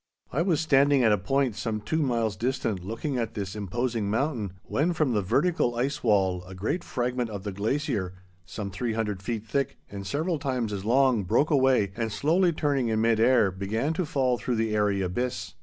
I was standing at a point some two miles distant looking at this imposing mountain, when from the vertical ice wall a great fragment of the glacier, some three hundred feet thick and several times as long, broke away, and, slowly turning in mid air, began to fall through the airy abyss.